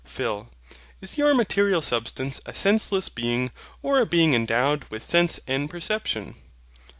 PHIL. Is your material substance a senseless being, or a being endowed with sense and perception?